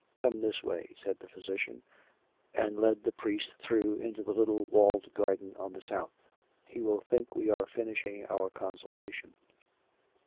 " Come this way," said the physician, and led the priest through into the little walled garden on the south. " He will think we are finishing our consultation."